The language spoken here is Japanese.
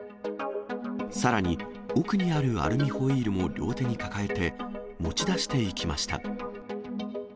さらに、奥にあるアルミホイールも両手に抱えて、持ち出していきました。